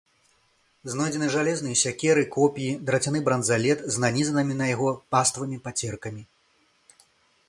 Знойдзены жалезныя сякеры, коп'і, драцяны бранзалет з нанізанымі на яго паставымі пацеркамі.